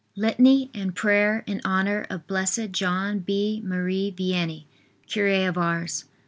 LITANY AND PRAYER IN HONOR OF Blessed John B. Marie Vianney. CURE OF ARS.